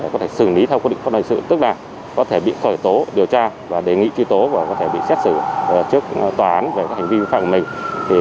có thể xử lý theo quy định pháp hành sự tức là có thể bị khởi tố điều tra và đề nghị truy tố và có thể bị xét xử trước tòa án về hành vi vi phạm của mình